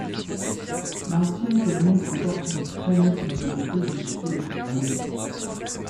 L'ancienne commune comporte une très nette majorité de suédophones.